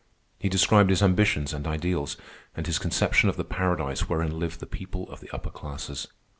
He described his ambitions and ideals, and his conception of the paradise wherein lived the people of the upper classes.